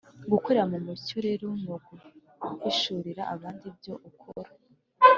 Gukorera mu mucyo rero ni uguhishurira abandi ibyo ukora